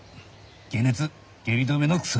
解熱・下痢止めの薬。